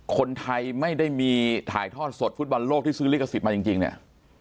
คนไทยไม่ได้มีถ่ายทอดสดฟุตบอลโลกที่ซื้อลิขสิทธิ์มาจริงเนี่ย